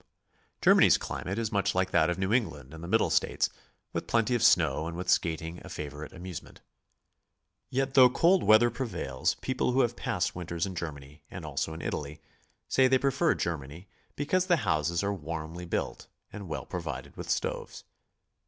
Germany's climate is much like that of New England and the Middle States, with plenty of snow and with skating a favorite amu'sement. Yet tihough cold weather prevails, people who have passed winters in Germany and also in Italy, s»ay they prefer Germany 'because the houses are warmly built and well provided with stoves.